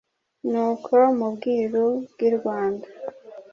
ni uko mu bwiru bw'i Rwanda,